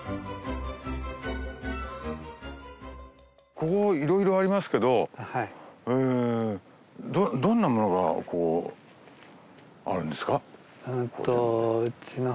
ここいろいろありますけどどんなものがあるんですか？